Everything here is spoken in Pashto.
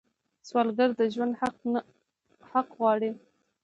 سوالګر د ژوند حق غواړي